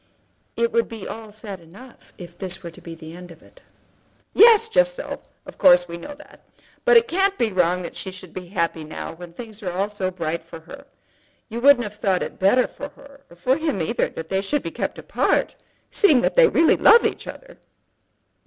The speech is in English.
It would be all sad enough if this were to be the end of it." "Yes, just so; of course we know that. But it can't be wrong that she should be happy now, when things are so bright all around her. You wouldn't have thought it better for her, or for him either, that they should be kept apart, seeing that they really love each other?"